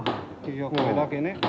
これだけね。